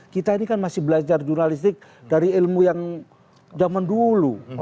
kita ini kan masih belajar jurnalistik dari ilmu yang zaman dulu